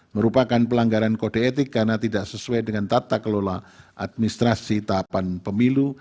merupakan pelanggaran kode etik karena tidak sesuai dengan tata kelola administrasi tahapan pemilu